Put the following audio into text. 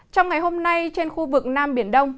trong ngày hôm nay trên khu vực nam biển đông